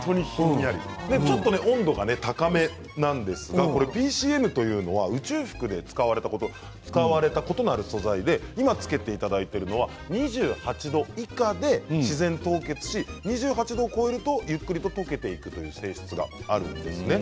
ちょっと温度が高めなんですがＰＣＭというのは宇宙服で使われたことがある素材で今、つけていただいているのは２８度以下で自然凍結し２８度を超えるとゆっくりととけていくという性質があるんですね。